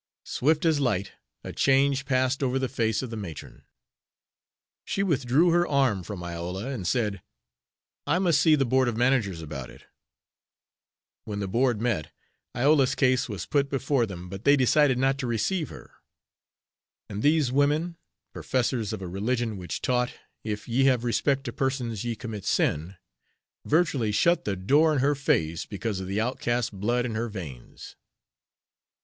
Swift as light a change passed over the face of the matron. She withdrew her arm from Iola, and said: "I must see the board of managers about it." When the board met, Iola's case was put before them, but they decided not to receive her. And these women, professors of a religion which taught, "If ye have respect to persons ye commit sin," virtually shut the door in her face because of the outcast blood in her veins.